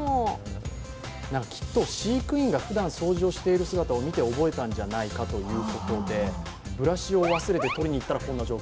きっと飼育員がふだん掃除をしている姿を見て覚えたんじゃないかということでブラシを忘れて取りに行ったらこんな状況。